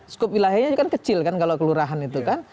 skup wilayahnya juga kan kecil kalau kelurahan itu kan